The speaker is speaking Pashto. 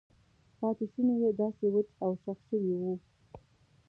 پاتې شونې یې داسې وچ او شخ شوي وو.